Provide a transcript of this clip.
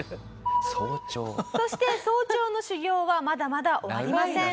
「そして早朝の修行はまだまだ終わりません」